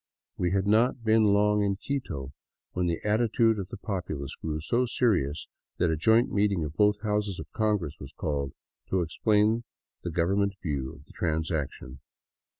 We had not been long in Quito when the attitude of the populace grew so serious that a joint meeting of both houses of congress was called to explain the government view of the transaction.